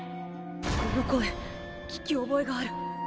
この声聞き覚えがある。